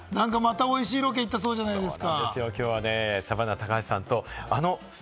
武田さん、なんかまた、おいしいロケに行ったそうじゃないですか？